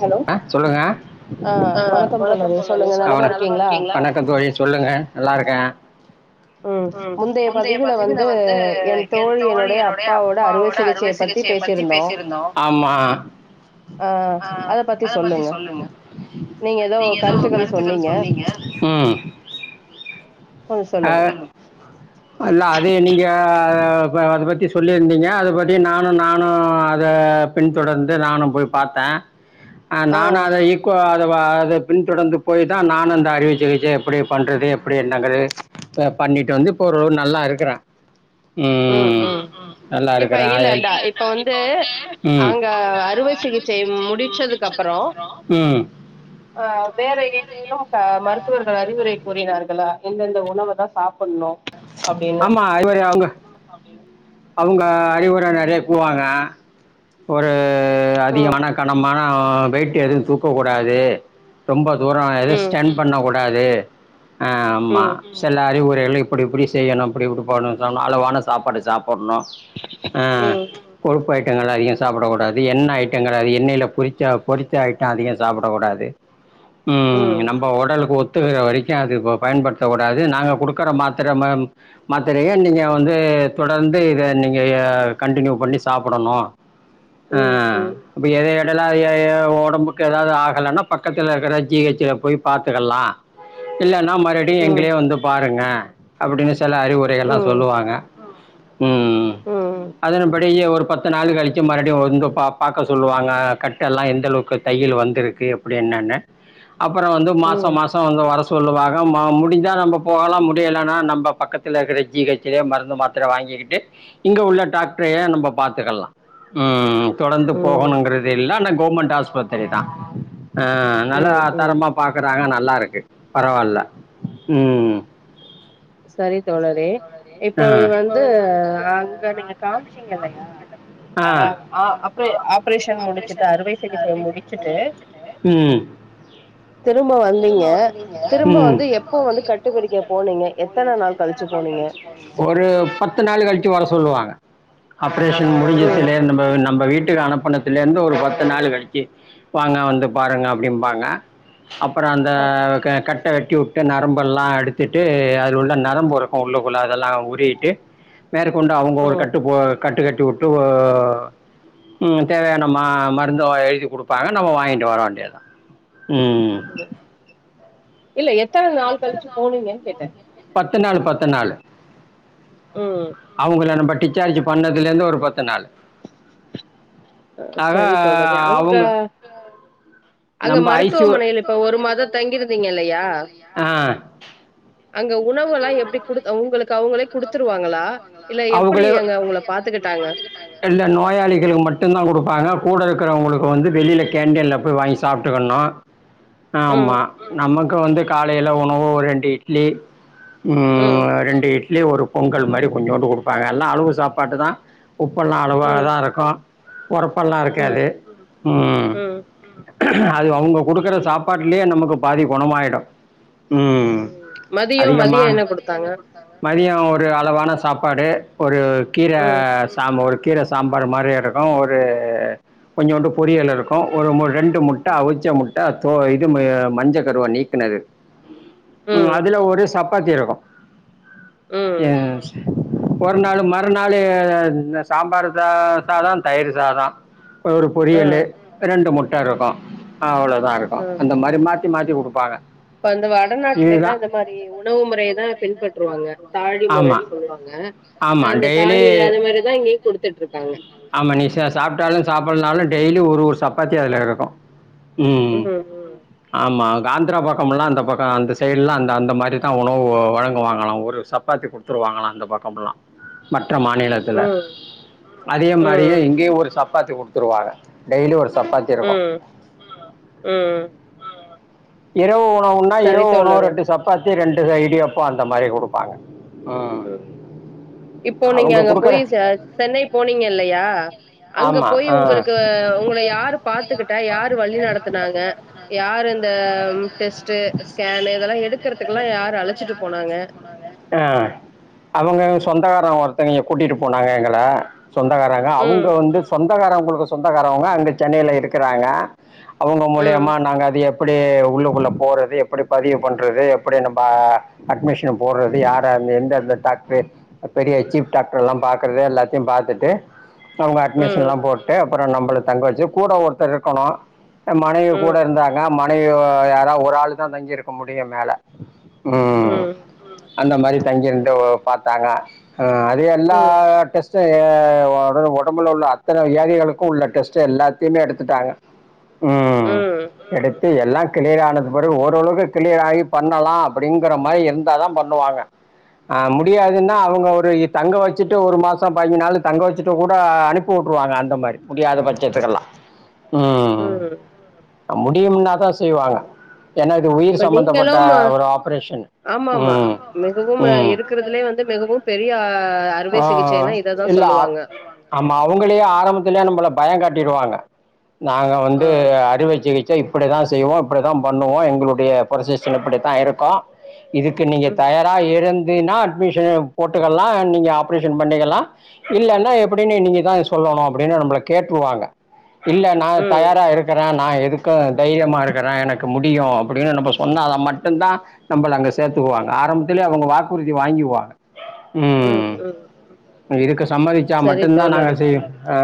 Hello அ சொல்லுங்க அ வணக்கம் தோழரே சொல்லுங்க நலமா இருக்கீங்களா வணக்கம் தோழி சொல்லுங்க நல்லா இருக்கே ம் முந்தைய பதவில வந்து என் தோழியினுடைய அப்பாவோட அறுவை சி கிச்சை பத்தி பேசிருந்தோ ஆமா ஆ ஆ அத பத்தி சொல்லுங்க நீங்க எதோ கருத்துக்கள் சொன்னீங்க கொஞ்ச சொல்லுங்க இல்ல அதே நீங்க அத பத்தி சொல்லியிருந்தீங்க அத ‌‌‌பத்தி நானு நானு அத பின் தொடர்ந்து நானு போய் பாத்தே ஆ நானு அத ஈக்குவலா அதை பின்தொடர்ந்து போய் ‌தா நானு அந்த அறுவை சிகிச்சை எப்டி பண்றது எப்டி என்னங்குறது பண்ணிட்டு வந்து இப்ப ஓரளவு நல்லா இருக்குறே ம் ம் இப்ப இருக்கிறேன் அது இல்லடா இப்ப வந்து ம் அங்க அறுவை சிகிச்சை முடிச்சதுக்கு அப்றோ ம் அ வேற ஏதேனும் மருத்துவர்கள் அறிவுரை கூறினார்களா எந்தெந்த உணவுதா சாப்ப ஆமா அறிவுற அவுங்க அவுங்க அறிவுர நறையா கூவாங்க ஒரு ம் அதிகமான கனமான வெயிட் எதுவு தூக்கக்கூடாது ரொம்ப தூரம் எதுவு ம் ஸ்டென் பண்ணக்கூடாது ஆமா ம் சில அறிவுரைகள் இப்டி இப்டி செய்யணும் இப்படிடுப்ப அளவான சாப்பாடு சாப் போண்ணு ஆ ம் கொழுப்பு ஐட் டங்கள் அதிகம் சாப்பிடக்கூடாது எண்ணெய் ஐட்டங்கள் அது எண்ணெல பொரிச்ச பொறித்த ஐட்டம் அதிகம் சாப்பிடக்கூடாது [inaudible] ம் நம்ம உடலுக்கு ஒத்துகிற வரைக்கும் அது பயன்படுத்தக்கூடாது நாங்க கொடுக்குற மாத் மாத்திர மாத்திரையை நீங்க வந்து தொடர்ந்து இத நீங்க கன்ண்டினியூ பண்ணி சாப்பிடணு ஆ ம் ம் அப்ப எத டல எ எ ஒடம்புக்கு எதாவது ஆகலன்னா பக்கத்துல இருக்கிற ஜி ஹெச் போய் பாத்துக்கலா இல்ல னா மறுபடியு ம் ம் எங்களே வந்து பாருங்க அப்டின்னு சில அறிவுரைகள்லா ம் சொல்லுவாங்க ம் ம் அதன்படியே ஒரு பத்து நாள் கழிச்சு மறுபடியும் வந்து பாக்க சொல்லுவாங்க கட்ட எல்லா எந்த அளவுக்கு தையில் வந்திருக்கு அப்படின்னு என்னன்ன அப்புற வந்து மாச மாசம் வந்து வர சொல்லுவாங்க முடிஞ்சா நம்ப போகலா முடிய லனா நம்ப பக்கத்தில இருக்கிற ஜீ ஹச் ல மருந்து மாத்திர வாங்கிக்கிட்டு இங்க உள்ள டாக்டரயே நம்ப பாத் துக்கலாம் ம் தொடர்ந்து ம் போகணுங்கிறது இல்ல ஆனா கவுர்மெண்ட் ஆஸ்பத்திரி தா ஆ நல்லா ம் ம் தரமா பாக்குறாங்க நல்லா இருக்கு பரவாயில்ல ம் சரி தோழரே இப்ப ஆ அது வந்து அங்க நீங்க காம்ச்சீங்க இல்லயா ஆ அ அ அப்பயே ஆப்ரேஷன் முடிச்சுட்டு அறுவை சிகிச்சைய முடிச்சுட்டு ம் திரும்ப வந்தீங்க திரும்ப ம் வந்து எப்போ வந்து கட்டுப்பிரிக்க போனீங்க எத்தன நாள் கழிச்சு போனீங்க ஒரு பத்து நாள் கழிச்சு வர சொல்லுவாங்க ஆப்ரேஷன் ம் முடிஞ்சசுலேர்ந்த நம்ம நம்ப வீட் வீட்டு அனுப்பணத்துலருந்து ஒரு பத்து நாள் கழிச்சு வாங்க வந்து பாருங்க அப்பிடிம்பாங்க அப்பறம் அந்த ம் க கட் ட வெட்டி விட்டு நரம்பெல்லா எடுத்துட்டு அது உள்ள நரம்பு இருக்கும் உள்ள அதெல்லா உறிவிட்டு மேற்கொண்டு அவங்க ஒரு ம் கட்டு போ கட்டு கட்டி விட்டு ஒ ம் தேவையான மருந்து எழுதி குடுப்பாங்க நம்ம வாங்கிட்டு வர வேண்டியதுதா ம் ம் இல்ல எத்தன இல்ல எத்தனை நாள் கழிச்சு போனீங்கன்னு கேட்டே போனிங்க [inaudible] நாள் பத்து நாள் ம் அவங்கல நம்ம டிக் டிஸ்சார்ஜ் பண்ணதுல இருந்து ஒரு பத்து நாலு அ சரி தோழரே அங்க அங்க நம்ப ஐசியூ மருத்துவமனில இப்ப ஒரு மாதம் தங்கியிருந்தீங்க இல்லையா ஆ. அங்க உணவு எல்லா எப்படி குடு உங்களுக்கு அவங்களுக் அவங்கலே கொடுத்துருவாங்கள அவங்களே எப்படி உங்கள பாத்துகிட்டாங்க எல்லா நோயாளிகளும் மட்டும தான் கொடுப்பாங்க கூட இருக்கிறவங்களுக்கு வந்து வெளியில கேண்டின் போயீ வாங்கி சாப்ட்டுக்கணு ம் ஆமா நமக்கு வந்து காலையில உணவு ஒரு ரெண்டு இட்லி ம் ரெண்டு இட்லி ஒரு பொங்கல் மாரி கொஞ்சோண்டு கொடுப்பாங்க எல்லா அளவு சாப்பாட்டு தா உப்புலா அளவா ம் தான் இருக்கு. ஓறப்பெல்லா ம் இருக்காது ம் அது அவங்க கொடுக்குற சாப்பாட்லயே நமக்கு பாதி குணமாயிடு ம் மதியோ அதிகமா மதியோ என்ன குடுத்தாங்க மதியம் ஒரு அளவான சாப்பாடு ஒரு கீர ம் சாம்ப கீரை சாம்பார் மாரிய இருக்கு ஒரு கொஞ்சம்ண்டு பொரியல் இருக்கு ஒரு ரெண்டு முட்ட ம் அவிச்ச முட்ட இது மஞ்ச கருவ நீக்குனது ம் அதுல ஒரு சப்பாத்தி இருக்கு ம் ம் ஒரு நாள் மறுநாள் சாம்பார் சா சாத தயிர் சாத ஒரு ஆ பொரியல் ரெண்டு முட்ட இருக்கு அவ்வளோதான் இருக்கு ஆ அந்த மாரி மாட் மாத்தி மாத்தி கொடுப்பாங்க இப்ப அந்த வடநாட்ல இப்ப அந்த வாரத்துக்கு ஒரு டைம் எல்லா இந்த மாதிரி உணவு முறையதா பின்பற்றுவாங்க தாழி ஆமா முறைன்னு சொல்லுவாங்க ஆமா அந்த டெய்லி தாழி அது மாதிரிதான் இங்கேயும் குடுத்துட்டு இருக்காங்க ஆமா நீ சா சாப்ட்டாலு சாப்டனாலு டெய்லி ஒரு ஒரு ஒரு சப்பாத்தி அதுல இருக்கு ம் ம் ஆமா ஆந்திரா பக்கம் முலாம் அந்த பக்கம் அந்த சைடுலா அந்த அந்த மாதிரி தான் உணவு வழங்குவாகலா ஒரு சப்பாத்தி கொடுத்துருவாங் வாங்கலா அந்த பக்கம்லா மற்ற மாநிலத்தில ம் அதே மாரியே ம் இங்கேயும் ஒரு சப்பாத்தி கொடுத்துருவாக டெய்லி ஒரு சப்பாத்தி இருக்கும். ம் ம் இரவு உணவுன்னா சரி இரவு உணவு தோழரே ரெண்டு சப்பாத்தி ரெண்டு இடியப்போ அந்த மாரி கொடுப்பாங்க ஆ ம் இப்போ நீங்க அங்க போய் சென்னை போனீங்கல்லையா அங்க ஆமா போய் ஆ உங்களுக்கு உங்களை யாரு பாத்துக்கிட்டா யாரு வழி நடத்தனாங்க யாரு இந்த ஆ டெஸ்ட்டு ஸ்கேன்னு இதெல்லா எடுக்கிறதுக்குல்லா யாரு அழைச்சிட்டு போனாங்க ஆ அவங்க சொந்தகார ஒருத்த கூட்டிட்டு போனாங்க எங்களை சொந்தகாரங்க அவங்க ம் வந்து சொந்த சொந்தக்காரவுங்களுக்கு சொந்தகாரவங்க அங்கு சென்னையில இருக்கிறாங்க அவங்க ம் மூலியமா நாங்க அது எப்படி உள்ளுக்குள்ள போறது எப்படி பதிவு பண்றது எப்படி நம்ம அட்மிஷன் போடுறது யார எந்தந்த டாக்டர் பெரிய சீப் டாக்டர் எல்லா பாக்குறத எல்லாத்தையு பாத்துட்டு அவங்க அட்மிஷன் ம் எல்லா போட்டு அப்புறம் நம்மளை தங்க வச்சு கூட ஒருத்தர் இருக்கணு மனைவி கூட ம் இருந்தாங்க மனைவி யாரா ஒரு ஆளு தான் தங்கிருக்க முடியும் மேல ம் அந்த மாரி தங்கிருந்து பார்த்தாங்க அது எல்லா ம் டெஸ்டும் ஆ உடம்புல உள்ள அத்தனை வியாதிகளுக்கு உள்ள டெஸ்ட் எல்லாத்தையுமே எடுத்துட்டாங்க ம் ம் டெஸ்ட் எல்லா கிளியர் ஆனது பிறகு ஓரளவுக்கு கிளியர் ஆகி பண்ணலாம் அப்படிங்கிற மாரி இருந்தாதா பண்ணுவாங்க அ முடியாதுன்னா அவங்க ஒரு இப் தங்க வச்சுட்டு ஒரு மாச பாஞ்சு நாலு தங்க வச்சுட்டு கூட அனுப்பி உட்டுருவாங்க அந்த மாரி முடியாத பட்சத்துக்கெல்லா ம் முடியும்னாதா செய்வாங்க எனா இது உயிர் சம்பந்தபட்ட ஒரு ஆப்ரேஷன் ஆமா ஆமா ம் மிகவும் ஆமாமா ம் இருக்கறதுலயே வந்து மிகவும் பெரிய ஆ ஆ இல்ல ஆமா அவுங்களே ஆரம்பத்துலயே நம்மள பயொ காட்டிடுவாங்க நாங்க வந்து ஆ அறுவைசிகிச் சை இப்புடிதா செய்வோ இப்புடிதா பண்ணுவோ எங்ளுடைய ப்ரொசிசன் இப்புடித்தா இருக்கு இதுக்கு நீங்க ம் தயாரா இருந்தினா அட்மிஷன் போட்டுகலா நீங்க ஆப்ரேஷன் பண்ணிகலா இல்லனா எப்புடினு நீங்க தா சொல்லணு அப்டினு நம்பள கேட்டுருவாங்க இல்ல நா ம் தயாரா இருக்கறே நா இருக்க தைரியமா இருக்கற எனக்கு முடியு அப்டினு நம்ம சொன்னா அத மட்டுதா நம்பள அங்க ம் சேத்துகுவாங்க ஆரம்பத்லயே அவுங்க வாக்குறுதி வாங்கிவாங்க ம் ம் இதுக்கு சம்மதிச்சா சரி மட்டுதா தோழரே நாங்க செய்ய ஆ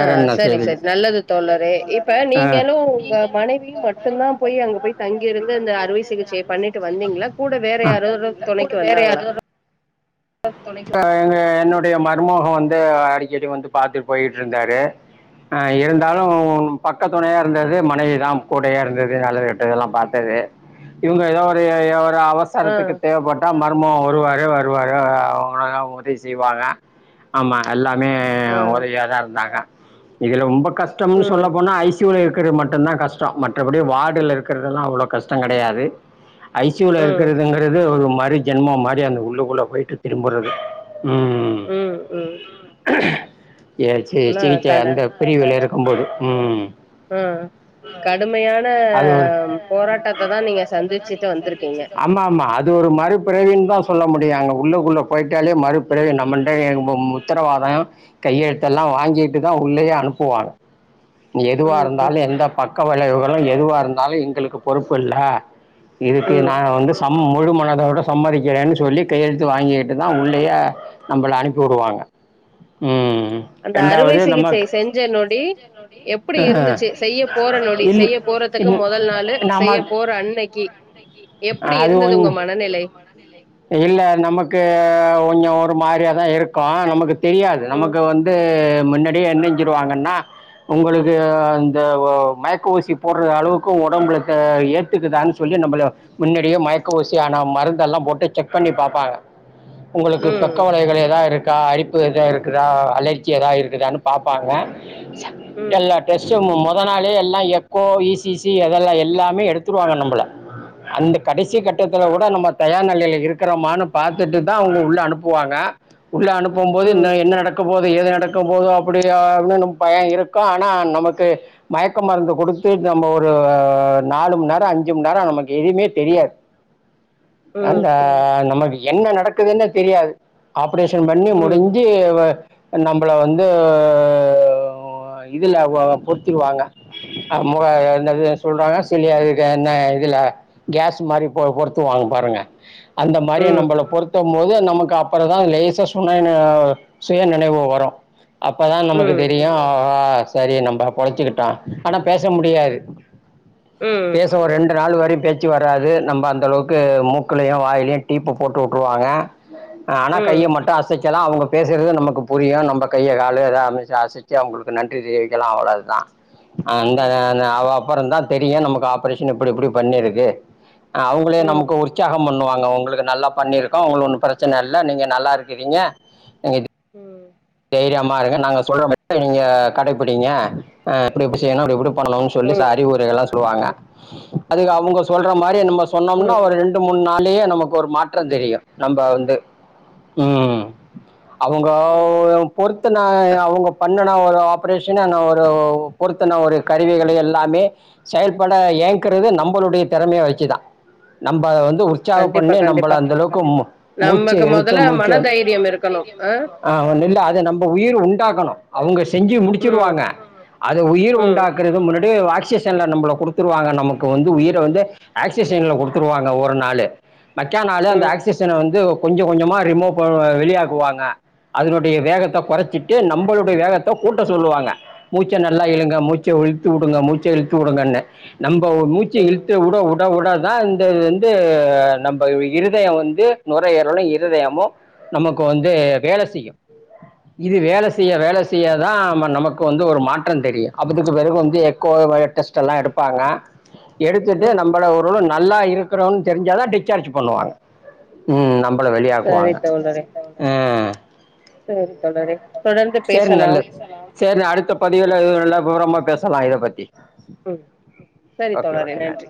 ஆ என்ன சரி, செய்றது சரி. நல்லது தோழரே. இப்ப ஆ நீங்களும் உங்க மனைவியும் மட்டும்தான் போய் அங்க பட்டுமா போய் அங்க போய் தங்கியிருந்து இந்த அறுவை தங்கிருந்து [inaudible] சிகிச்சைய அறுவை பண்ணிட்டு சிகிச்சைய வந்தீங்களா? கூட வேற யாராவது வந்தீங்களா கூட துணைக்கு வேற வந்தாங்களா? யாரோட எங்க என்னுடைய மருமொக வந்து அடிகடி வந்து பாத்துட் போயிட்ருந்தாரு ஆ இருந்தாலு பக்கதுணையா இருந்தது மனைவிதா கூடயேருந்தது நல்லது கேட்டதெல்லா பாத்தது இவங்க எதோ ஒரு [unintelligible] ஒரு ஆ, அவசரத்துகு தேவபட்டா மருமகொ வருவாரு வருவா ஆ அவுங்கலா உதவி செய்வாங்க ஆமா எல்லாமே ஆ. உதவியாதா இருந்தாங்க இதுல ரொம்ப கஷ்டம்னு ம், சொல்ல போனா ஐ சி யூல இருக் குற்து மட்டுதா கஷ்டொ மற்றபடி வாடுல இருக்கற்துலா அவ்ளோ கஷ்டோ கடையாது ஐ சி யூல ம், இருக்கறதுங்கறது ஒரு மறு ஜென்மொ மாரி அந்த உள்ளுகுள்ள போயிட்டு திரும்புறது ம் ம் [unintelligible] ஆனா சிகிச்ச கட அந்த பிரிவுல இருக்கும்போது ம் ஆ கடுமயான போராட்டத்ததா நீங்க சந்திச்சுட்டு வந்துருகீங்க இதுஒரு மறுப்பிறவின்தா சொல்ல முடியு அங்க உள்ளுகுள்ள போயிட்டாலே மறுபிறவி நம்ம [unintelligible] உத்தரவாதொ கையெழுதல்லா வாங்கிட்டுதா உள்ளயே அனுபுவாங்க எதுவா ம், இருந்தாலு ம், எந்த பக்கொ வளைவுகளு எதுவா இருந்தாலு எங்குளுக்கு பொறுப்புல்ல இதுக்கு ம். நா வந்து சம் முழுமனதோட சம்மதிகிறேனு சொல்லி கையெழு து வாங்கிட்டுதா உள்ளேயே நம்பள அனுபிவுடுவாங்க ம் அந்த அறுவை ரெண்டாவது நம்ம சிகிச்சை செஞ்ச நொடி எப்புடி ஆ இருந்துச்சி செய்ய போற நொடி செய்ய போ போறத்துக்கு முதல் நாளு செய்ய போற அன்னைகி எப்புடி இருந்தது உங்க எப்டி மனநிலை இல்ல நமக் கு ஒஞ்சொ ஒரு மாரியாதா இருக்கு நமக்கு தெரியாது ம். நமக்கு வந்து முன்னாடியே என்னஞ்சிருவாங்கன்னா உங்களுக்கு அந்த மயக்க ஊசி போடுற அளவுக்கு உடம்புல ஏத்துகுதான் சொல்லி நம்பள முன்னாடியே மயக்க ஊசியான மருந்தல்லா போட்டு செக் பண்ணி பாத் தாங்க உங்குளுக்கு பக்க ம் வளைகள் எதா இருக் கா அரிப்பு எதா இருக்குதா அலர்ஜி எதா இருக்குதானு பாப்பாங்க ம் எல்லா டெஸ்டும் மொத் போனாலே எல்லா எக்கோ இ சி சி அதல்லா எல்லாமே எடுத்துருவாங்க நம்பள அந்த கடைசி ம் கட்டத்துல கூட நம்ம தயார் நிலைல இருக்கறோமானு பாத்துட்டுதா அவுங்க உள்ள அனுப்புவாங்க உள்ள அனுப்பும் போது ம் ம் என்ன நடக்க போ ஏது நடக்க போது அப்டி ஆகுனு பயொ இருக்கு ஆனா நமக்கு மயக்க மருந்து குடுத்து நம்ம ஒரு நாலு மண்நேரோ அஞ்சு மண்நேரோ நமக்கு எதுமே தெரியாது அந்த ம் ம் நமக்கு என்ன நடக்குதுன்னே தெரியாது ஆப்ரேஷன் பண்ணி ம் ம் முடிஞ்சி நம்பள வந்து இதுல பொத்துருவாங்க முக என்னது சொல்றாக என்ன இதுல கேஸ் மாரி பொறுத்துவாங்க பாருங்க அந்த ம் ம் ம் நம்பள பொருத்தம் போது நமக்கு அப்புறதா லேசா சுனை சுய நினைவு வரு அப்பதா நமக்கு ம் ம் ம் தெரியு ஆஹாஸ் சரி நம்ம பொழச்சுக்கிட்டா ஆனா பேச முடியாது பேச ஒரு ரெண்டு நாள் வரை பேச்சு வராது நம்ம அந்த அளவுக்கு மூக்குலையு வாயிலையு டீப்பு போட்டு விட்டுருவாங்க ஆனா கைய மட்டு அசைக் கலா அவுங்க பேசுறது நமக்கு புரியு நம்ம கைய கால எதா அமச்சி அசைச்சி அவுங்களுக்கு நன்றி தெரிவிக்கலா அவ்வளதா அந்த ம் அ அப்புறந்தா தெரியு நமக்கு ஆப்ரேஷன் இப்டி இப்புடி பண்ணிருக்கு அவுங்களே நமக்கு உற்சாகம் பண்ணுவாங்க உங்களுக்கு நல்லா பண்ணிருக்கோ உங்கள ஒன்னு பிரச்சனை இல்ல நீங்க நல்லா இருக்கிறீங்க நீங்க தைரியமா இருங்க நாங்க சொல்றபடி நீங்க கடைப்பிடிங்க இப்படி இப்டி செய்ணு இப்டி இப்டி பண்ணணுனு சொல்லி ச அறிவுரைகள் எல்லா சொல்லுவாங்க அதுக்கு அவுங்க சொல்ற மாரி நம்ம ம் சொன்னோம்னா ம் ஒரு ரெண்டு மூணு நாள்லேயே நமக்கு ஒரு மாற்றந் தெரியு நம்ப வந்து ம் அவுங்க ம் பொறுத்த நா அ அவுங்க பண்ணனா வரு ஆப்ரேஷன் ஒரு பொறுத்தன ஒரு கருவிகளை எல்லாமே செயல்பட இயக்குறது நம்ம உங்களுடைய திறமைய வச்சிதா நம்ப வந்து உற்சாகம் கண்டிப்பா பண்ணி நம்பள கண்டிப்பா அந்த அளவுக்கு மூச்ச நமக்கு இழுத்து மொதல்ல மூச்ச மனதைரியம் இருக்கணும் அ இல்ல அத நம்ம உயிர் உண்டாக்கணு அவுங்க இஸ் செஞ்சு ம் முடிச்சிருவாங்க அத உயிர் ம் உண்டாக்குறது முன்னாடி வா சிஷன்ல நம்மல குடுத்துருவாங்க நமக்கு வந்து உயிர வந்து ஆக்ஷிஸன்ல குடுத்துருவாங்க ஒரு நாளு மெக்கானாலே அந்த ம் ஆக்சிஜனை வந்து கொஞ்ச கொஞ்சமா ரிமூவ் வெளியாக்குவாங்க அதனுடைய வேகத்த கொறச்சிட்டு நம்பளுடைய வேகத்த கூட்ட சொல்லுவாங்க மூச்ச நல்லா இழுங்க மூச்ச உள் இழுத்துவுடுங்க மூச்ச இழுத்து உடுங்கன்னே நம்ம மூச்ச ம் இழுத்து உட உட உடதா தான் இந்தது வந்து நம்ம இருதய வந்து நுரையீறலு இருதயமு நமக்கு வந்து வேல செய்யு இது வேல செய்ய வேல செய்யதா நமக்கு வந்து ஒரு மாற்றம் தெரியு அப்பதுக்கு பிறகு வந்து எக்கோ அ டெஸ்ட் எல்லா எடுப்பாங்க எடுத்துட்டு ம் நம்மள ஒருவுல நல்லா இருக்கிறோம் தெரிஞ்சா தா டிஸ்சார்ஜ் பண்ணுவாங்க ம் நம் பள சரி வெளியாக்குவாங்க ம் செரி தோழரே தொடர்ந்து பேசலாம் சேர் நா அடுத்த பதிவுல நல்ல விவரமா பேசலா இத பத்தி ம் சரி தோழரே நன்றி